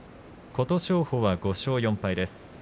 琴勝峰は５勝４敗。